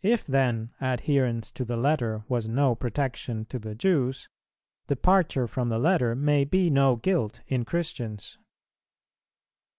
If then adherence to the letter was no protection to the Jews, departure from the letter may be no guilt in Christians.